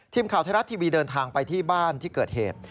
ทีมข่าวไทยรัฐทีวีเดินทางไปที่บ้านที่เกิดเหตุ